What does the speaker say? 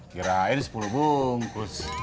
girain sepuluh bungkus